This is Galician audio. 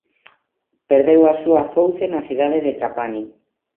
Perdeu a súa fouce na cidade de Trapani.